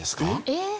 えっ！